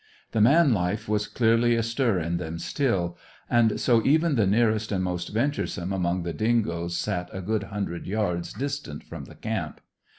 The man life was clearly astir in them still; and so even the nearest and most venturesome among the dingoes sat a good hundred yards distant from the camp.